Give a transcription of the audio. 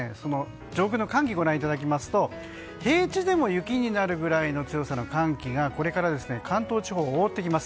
上空の寒気をご覧いただきますと平地でも雪になるぐらいの寒気が、これから関東地方を覆ってきます。